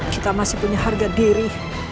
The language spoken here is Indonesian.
kita masih punya harga diri